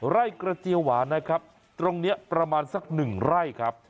ไร่กระเจียวหวานนะครับตรงนี้ประมาณสักหนึ่งไร่ครับ